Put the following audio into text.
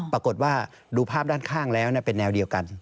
ปรากฏว่าดูภาพด้านข้างแล้วเป็นแนวเดียวกัน